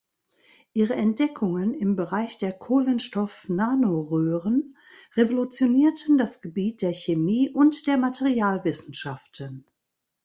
Ihre Entdeckungen im Bereich der Kohlenstoffnanoröhren revolutionierten das Gebiet der Chemie und der Materialwissenschaften.